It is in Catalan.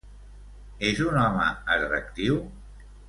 És un home atractiu?